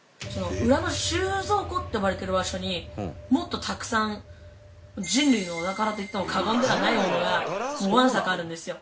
裏の収蔵庫って呼ばれてる場所にもっとたくさん人類のお宝と言っても過言ではないものがもうわんさかあるんですよ。